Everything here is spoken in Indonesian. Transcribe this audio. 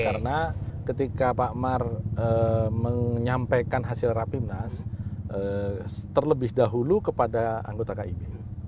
karena ketika pak mar menyampaikan hasil rapimnas terlebih dahulu kepada anggota kib